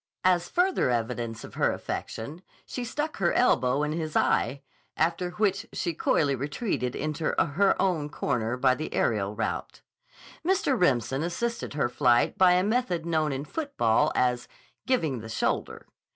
As further evidence of her affection, she stuck her elbow in his eye, after which she coyly retreated into her own corner by the aerial route. Mr. Remsen assisted her flight by a method known in football as "giving the shoulder."